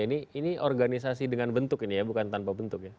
ini organisasi dengan bentuk ini ya bukan tanpa bentuk ya